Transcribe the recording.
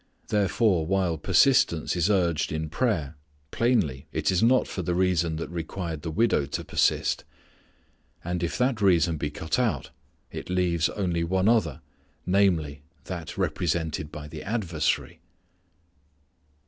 Therefore while persistence is urged in prayer plainly it is not for the reason that required the widow to persist. And if that reason be cut out it leaves only one other, namely, that represented by the adversary.